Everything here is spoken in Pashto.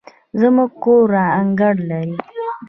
زموږ کور انګړ لري